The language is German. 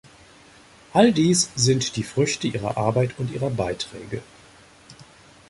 All dies sind die Früchte Ihrer Arbeit und Ihrer Beiträge.